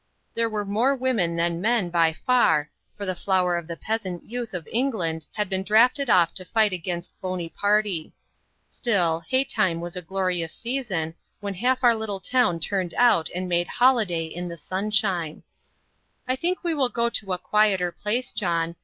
There were more women than men, by far, for the flower of the peasant youth of England had been drafted off to fight against "Bonyparty." Still hay time was a glorious season, when half our little town turned out and made holiday in the sunshine. "I think we will go to a quieter place, John.